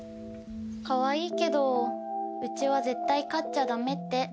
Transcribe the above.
かわいいけどうちは絶対飼っちゃダメって。